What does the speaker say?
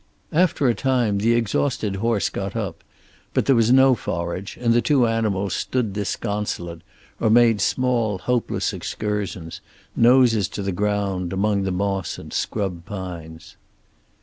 After a time the exhausted horse got up, but there was no forage, and the two animals stood disconsolate, or made small hopeless excursions, noses to the ground, among the moss and scrub pines.